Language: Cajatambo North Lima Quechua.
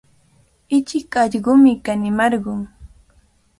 Ichik allqumi kanimarqun.